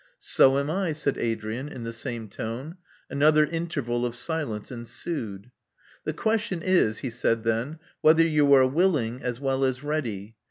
So am I," said Adrian in the same tone. Another interval of silence ensued. The question is," he said then, whether you are willing as well as ready.